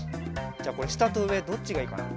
じゃあこれしたとうえどっちがいいかな？